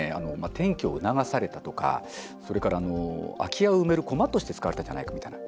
転居を促されたとか、それから空き家を埋めるコマとして使われてるんじゃないかみたいな。